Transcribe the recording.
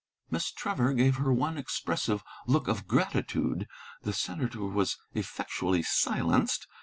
Miss Trevor gave her one expressive look of gratitude. The senator was effectually silenced.